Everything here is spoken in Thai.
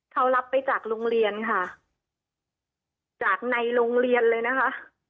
เขารับไปจากโรงเรียนค่ะจากในโรงเรียนเลยนะคะ